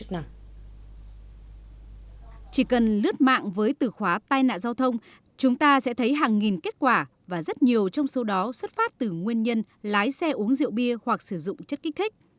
ta sẽ thấy hàng nghìn kết quả và rất nhiều trong số đó xuất phát từ nguyên nhân lái xe uống rượu bia hoặc sử dụng chất kích thích